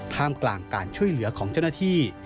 ท่ามกลางการช่วยเหลือของเจ้าหน้าที่